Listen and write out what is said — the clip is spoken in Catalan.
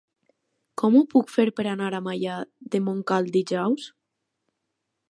Com ho puc fer per anar a Maià de Montcal dijous?